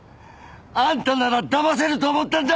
あんたなら騙せると思ったんだ！